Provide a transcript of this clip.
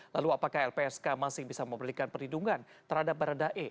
lalu apakah lpsk masih bisa memberikan perlindungan terhadap baradae